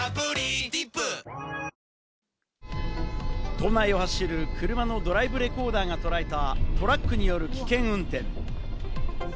都内を走る車のドライブレコーダーがとらえたトラックによる危険運転。